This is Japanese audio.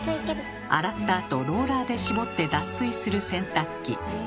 洗ったあとローラーで絞って脱水する洗濯機。